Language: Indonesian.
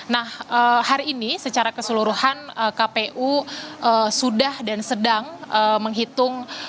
nah hari ini secara keseluruhan kpu sudah dan sedang menghitung